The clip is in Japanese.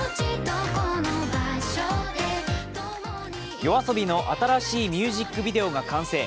ＹＯＡＳＯＢＩの新しいミュージックビデオが完成。